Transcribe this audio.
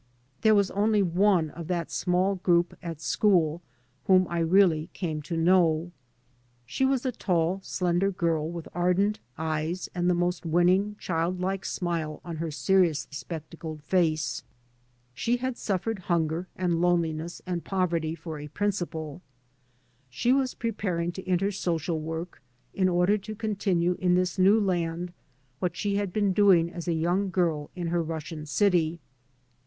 There was only one of that small group at school whom I really came to know. She was a tall slender girl with ardent eyes and the most winning childlike smile on her seri ous spectacled face. She had suffered hun 3 by Google MY MO THE R AN D 1 ger and loneliness and poverty, for a princi ple. She was preparing to enter social work in order to continue in this new land what she had heen doing as a young girl in her Russian city.